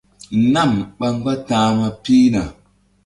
Nam ɓa mgbáta̧hma pihna.